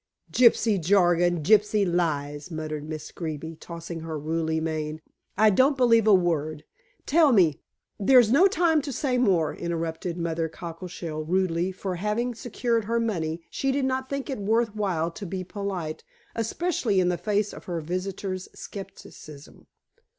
"Gypsy jargon, gypsy lies," muttered Miss Greeby, tossing her ruddy mane. "I don't believe a word. Tell me " "There's no time to say more," interrupted Mother Cockleshell rudely, for, having secured her money, she did not think it worth while to be polite, especially in the face of her visitor's scepticism.